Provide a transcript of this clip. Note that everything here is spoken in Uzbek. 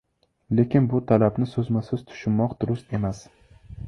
Lekin bu talabni so‘zma-so‘z tushunmoq durust emas.